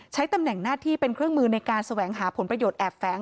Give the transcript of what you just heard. ตำแหน่งหน้าที่เป็นเครื่องมือในการแสวงหาผลประโยชน์แอบแฟ้ง